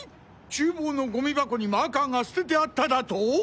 厨房のゴミ箱にマーカーが捨ててあっただと！